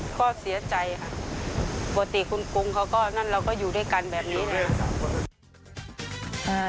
ก็เสียใจค่ะปกติคุณกรุงเราก็อยู่ด้วยกันแบบนี้นะ